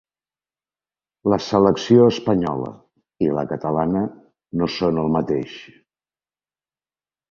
La selecció espanyola i la catalana no són el mateix.